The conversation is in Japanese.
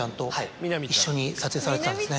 撮影されてたんですね。